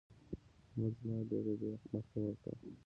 احمد زما ډېره بې مخي وکړه.